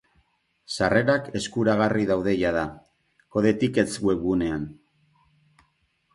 Sarrerak eskuragarri daude jada, codetickets webgunean.